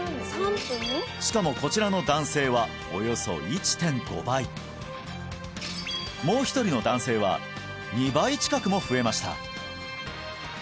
しかもこちらの男性はおよそ１．５倍もう一人の男性は２倍近くも増えました